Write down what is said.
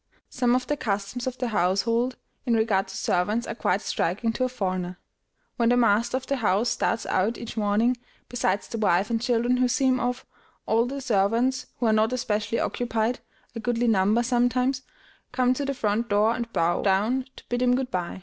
Some of the customs of the household, in regard to servants, are quite striking to a foreigner. When the master of the house starts out each morning, besides the wife and children who see him off, all the servants who are not especially occupied a goodly number, sometimes come to the front door and bow down to bid him good by.